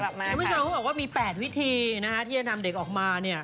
คุณมิชยาพูดมาว่ามี๘วิธีที่จะนำเด็กออกมา